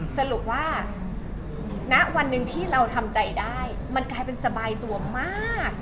สรุปว่าณวันหนึ่งที่เราทำใจได้มันกลายเป็นสบายตัวมาก